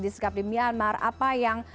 disekap di myanmar apa yang